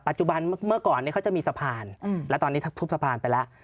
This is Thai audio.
ปัจจุบันเมื่อก่อนเขาจะมีสะพานแล้วตอนนี้ทุบสะพานไปแล้ว